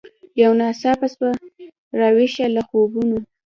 یو ناڅاپه سوه را ویښه له خوبونو